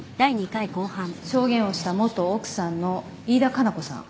証言をした元奥さんの飯田加奈子さん。